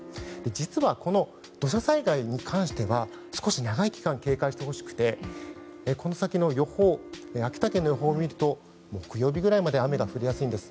実は、この土砂災害に関しては少し長い期間、警戒してほしくてこの先の秋田県の予報を見ると木曜日ぐらいまで雨が降りやすいんです。